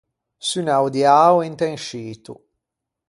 Sunnâ o diao inte un scito.